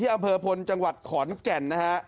อำเภอพลจังหวัดขอนแก่นนะฮะ